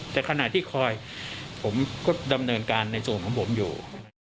แต่ขณะที่คอยผมก็ดำเนินการในส่วนของผมอยู่